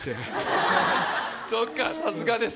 そっかさすがです。